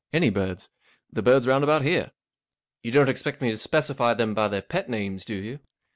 44 Any birds. The birds round about here. You don't expect me to specify them by their pet names, do you